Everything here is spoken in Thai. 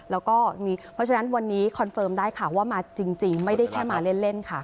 แล้วก็เพราะฉะนั้นวันนี้คอนเฟิร์มได้ค่ะว่ามาจริงไม่ได้แค่มาเล่นค่ะ